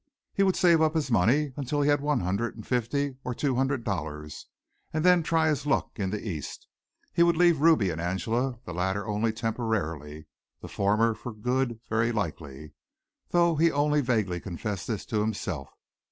He would save up his money until he had one hundred and fifty or two hundred dollars and then try his luck in the East. He would leave Ruby and Angela, the latter only temporarily, the former for good very likely, though he only vaguely confessed this to himself.